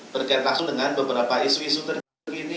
terkait langsung dengan beberapa isu isu terkini